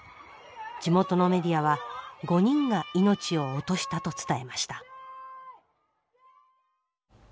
地元のメディアは５人が命を落としたと伝えました。